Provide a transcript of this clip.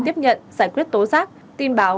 tiếp nhận giải quyết tố giác tin báo